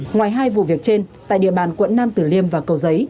ngoài hai vụ việc trên tại địa bàn quận nam tử liêm và cầu giấy